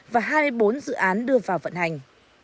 và hai mươi bốn dự án đưa vào vận hành